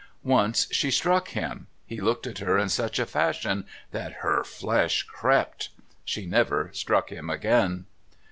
Once she struck him; he looked at her in such a fashion that "her flesh crept."... She never struck him again.